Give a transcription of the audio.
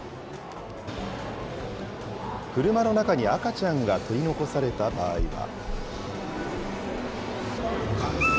車の中に赤ちゃんが取り残された場合は。